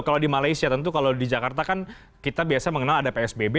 kalau di malaysia tentu kalau di jakarta kan kita biasa mengenal ada psbb